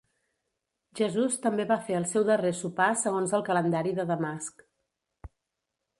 Jesús també va fer el seu darrer sopar segons el calendari de Damasc.